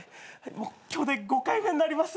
今日で５回目になります。